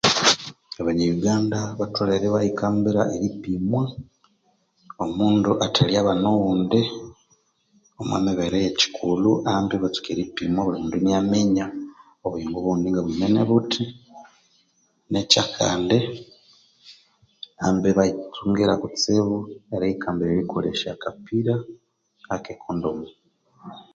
Pyaaah abanya yuganda abatholere ibatukambira eripimwa omundu athalya abana oghundi omwamibere ye kyikulhu ambi ibatsuka eripimwa bulimundu iniaminya obuyingo bwoghundi ngabwimene buthi ne kyakandi ambi ibayitsungira kutsibu eriyikambira erikolesya akapira akekondomu